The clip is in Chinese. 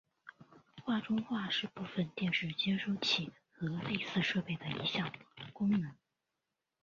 画中画是部分电视接收器和类似设备的一项功能。